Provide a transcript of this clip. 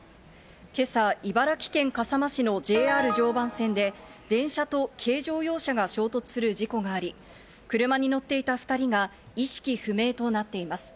今朝、茨城県笠間市のＪＲ常磐線で電車と軽乗用車が衝突する事故があり、車に乗っていた２人が意識不明となっています。